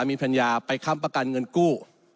มีภรรยาไปค้ำประกันเงินกู้